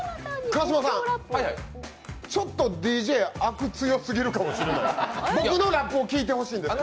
川島さん、ちょっとＤＪあく強すぎるかもしれないです。